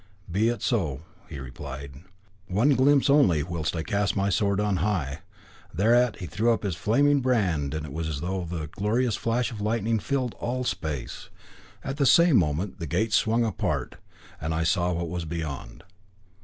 'Be it so,' he replied. 'One glimpse only whilst I cast my sword on high.' Thereat he threw up the flaming brand, and it was as though a glorious flash of lightning filled all space. At the same moment the gates swung apart, and I saw what was beyond.